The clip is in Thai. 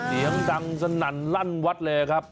เสียงดังสนั่นลั่นวัดเลยครับ